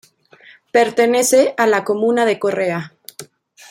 Pertenece a la comuna de Correa.